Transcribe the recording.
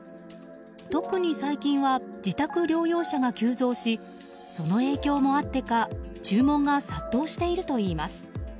特に最近は自宅療養者が急増しその影響もあってか注文が殺到しているといいます。